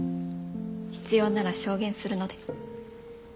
必要なら証言するので。